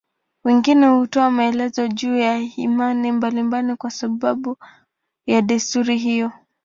Wengine hutoa maelezo juu ya imani mbalimbali kama sababu ya desturi hiyo.